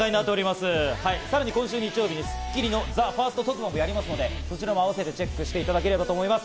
さらに今週日曜日に『スッキリ』のＴＨＥＦＩＲＳＴ特番をやりますのであわせてチェックいただけたらと思います。